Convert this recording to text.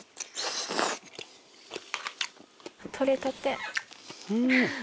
取れたて。